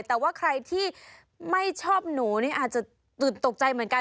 แต่ว่าใครที่ไม่ชอบหนูนี่อาจจะตื่นตกใจเหมือนกัน